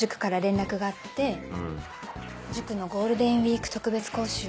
塾のゴールデンウィーク特別講習